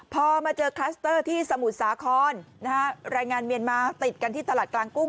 พอมาเจอคลัสเตอร์ที่สมุทรสาครนะฮะแรงงานเมียนมาติดกันที่ตลาดกลางกุ้ง